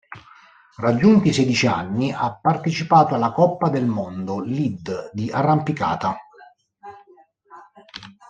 Raggiunti i sedici anni ha partecipato alla Coppa del mondo lead di arrampicata.